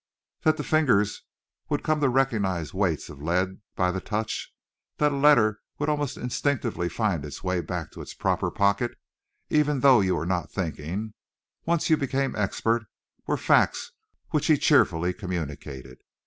That the fingers would come to recognize weights of leads by the touch, that a letter would almost instinctively find its way back to its proper pocket, even though you were not thinking, once you became expert, were facts which he cheerfully communicated.